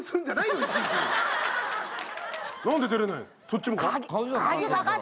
そっちもか？